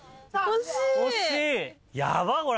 惜しい！